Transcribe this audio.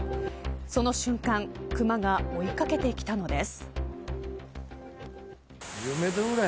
その瞬間、熊が追い掛けてきたのです。